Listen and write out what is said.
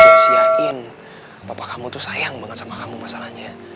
siain papa kamu tuh sayang banget sama kamu masalahnya ya